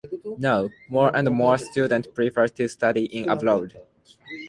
Now, more and more students prefer to study in abroad.